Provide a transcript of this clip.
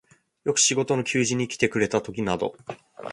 よく食事の給仕にきてくれたときなど、